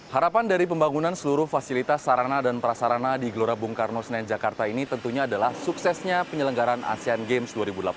harapan dari pembangunan seluruh fasilitas sarana dan prasarana di gelora bung karno senen jakarta ini tentunya adalah suksesnya penyelenggaran asean games dua ribu delapan belas